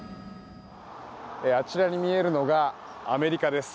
あちらに見えるのがアメリカです。